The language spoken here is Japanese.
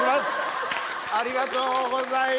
ありがとうございます。